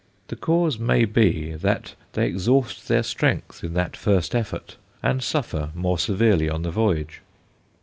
The cause may be that they exhaust their strength in that first effort, and suffer more severely on the voyage.